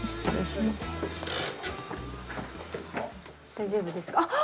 大丈夫ですかあっ！